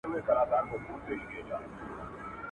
خېرات دي وسه، د مړو دي ښه په مه سه.